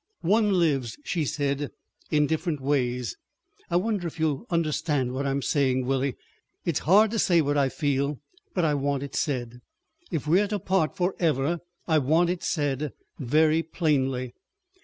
"One lives," she said, "in different ways. I wonder if you will understand what I am saying, Willie. It is hard to say what I feel. But I want it said. If we are to part for ever I want it said—very plainly.